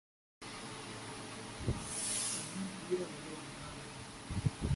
தனி ஈரநிலை என்றால் என்ன?